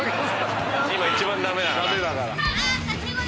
今一番ダメだから。